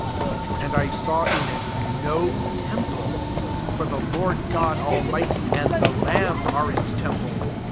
22 And I saw in it no temple: for the Lord God Almighty, and the lamb, are its temple.